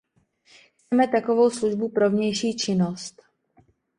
Chceme takovou službu pro vnější činnost.